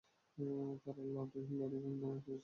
তারা lorry gang নামেও পরিচিত ছিল।